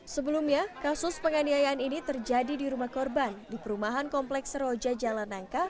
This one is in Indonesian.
sebelumnya kasus penganiayaan ini terjadi di rumah korban di perumahan kompleks seroja jalan nangka